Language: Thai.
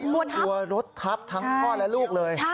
กลัวรถทับทั้งพ่อและลูกเลย